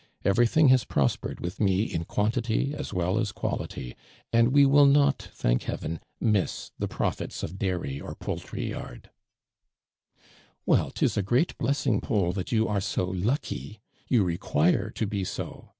]']verything has pros pored withme in quantity as well as quality, and wo will not, thank heaven, miss the protits of dairy or poultry ynifl.'" "Well, 'tis 11 great blessing, Taul. that you are so lucky ; you require to be so.